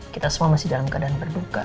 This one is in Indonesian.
kita semua masih dalam keadaan berduka